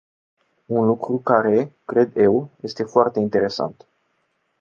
Un lucru care, cred eu, este foarte interesant.